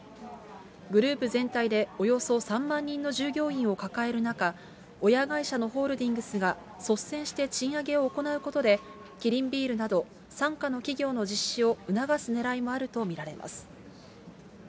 グループ全体でおよそ３万人の従業員を抱える中、親会社のホールディングスが率先して賃上げを行うことで、キリンビールなど傘下の企業の実施を促すねらいもあると見られます。